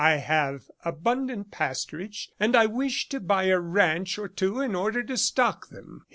I have abundant pasturage, and I wish to buy a ranch or two in order to stock them."